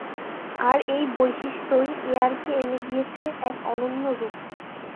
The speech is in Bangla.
আর এই বৈশিষ্ট্যই এআর-কে এনে দিয়েছে এক অনন্য রূপ।